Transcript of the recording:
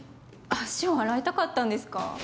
足を洗いたかったんですか？